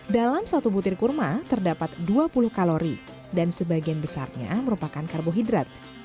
dalam satu butir kurma terdapat dua puluh kalori dan sebagian besarnya merupakan karbohidrat